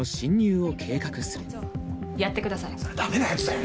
それダメなやつだよね？